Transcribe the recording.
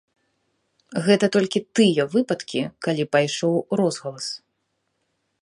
Гэта толькі тыя выпадкі, калі пайшоў розгалас.